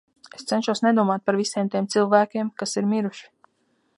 Es cenšos nedomāt par visiem tiem cilvēkiem, kas ir miruši.